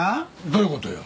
どういうことよ？